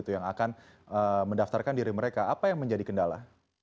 yang akan mendaftarkan diri mereka apa yang menjadi kendala